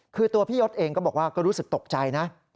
คือตัวพี่ยศเองก็บอกว่าก็รู้สึกตกใจนะ